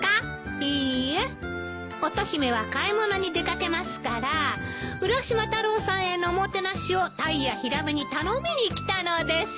いいえ乙姫は買い物に出掛けますから浦島太郎さんへのおもてなしをタイやヒラメに頼みに来たのです。